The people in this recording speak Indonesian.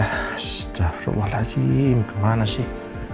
astaghfirullahaladzim kemana sih